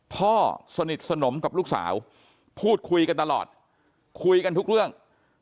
พ่อสนิทสนมกับลูกสาวพูดคุยกันตลอดคุยกันทุกเรื่อง